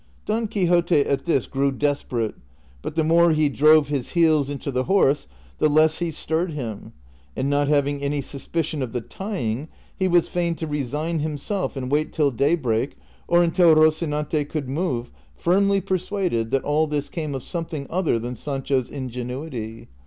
Don Quixote at this grcAV desperate, but the more he drove his heels into the horse, the less he stirred him ; and not hav ing any suspicion of the tying, he was fain to resign himself and wait till daybreak or until Rocinante could move, firmly persuaded that all this came of something other than Sancho's ingenuity.